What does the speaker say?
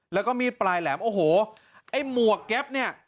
แล้วก็มีดปลายแหลมโอ้โหไอ้หมวกแก๊ปเนี่ย